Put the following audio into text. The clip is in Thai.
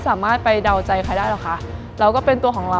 รายการต่อไปนี้เหมาะสำหรับผู้ชมที่มีอายุ๑๓ปีควรได้รับคำแนะนำ